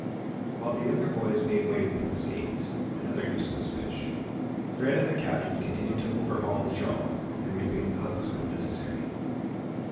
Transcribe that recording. While the younger boys made way with the skates and other useless fish, Fred and the Captain continued to overhaul the trawl and rebait the hooks when necessary.